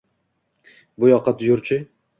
Bu yoqqa yur-chi!